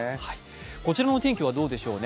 こちらの天気はどうでしょうか。